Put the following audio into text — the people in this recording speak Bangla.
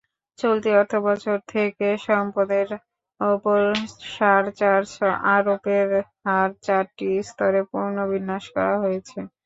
চলতি অর্থবছর থেকে সম্পদের ওপর সারচার্জ আরোপের হার চারটি স্তরে পুনর্বিন্যাস করা হয়েছে।